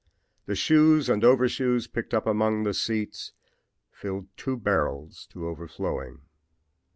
The shoes and overshoes picked up among the seats fill two barrels to overflowing.